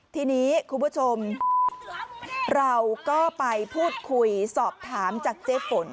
ทีนี้คุณผู้ชมเราก็ไปพูดคุยสอบถามจากเจ๊ฝน